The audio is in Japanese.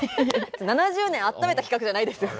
７０年あっためた企画じゃないです。